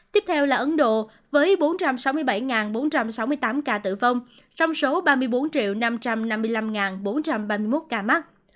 tiếp theo là ấn độ với bốn trăm sáu mươi bảy bốn trăm sáu mươi tám ca tử vong trong số ba mươi bốn năm trăm năm mươi năm bốn trăm ba mươi một ca mắc